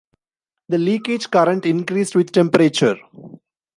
The leakage current increased with temperature.